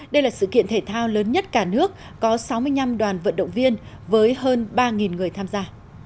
đây là sự kiện thể thao lớn nhất cả nước có sáu mươi năm đoàn vận động viên với hơn ba người tham gia